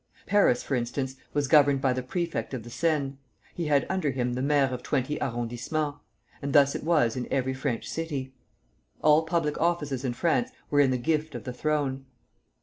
Paris, for instance, was governed by the Prefect of the Seine, he had under him the maires of twenty Arrondissements; and thus it was in every French city. All public offices in France were in the gift of the Throne.